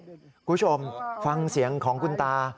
คุณผู้ชมฟังเสียงของคุณตา